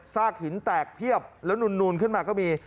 หินแตกเพียบแล้วนูนขึ้นมาก็มี